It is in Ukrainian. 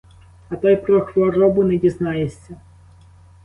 А то й про хворобу не дізнаєшся.